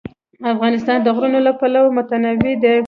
افغانستان د غرونه له پلوه متنوع دی.